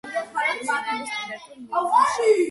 განეკუთვნება ჩინურ-ტიბეტური ენების ტიბეტურ-ბირმულ შტოს.